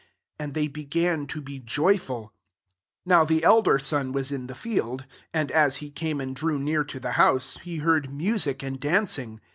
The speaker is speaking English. And they began to be ■ joyful. 25 " Now the elder son was it the field ; and, as he cune aoAi drew near to the house» be heard music and dancing.